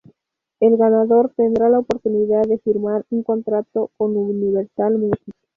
El ganador tendrá la oportunidad de firmar un contrato con Universal Music.